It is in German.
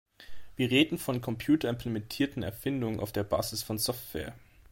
Wir reden von computerimplementierten Erfindungen auf der Basis von Software.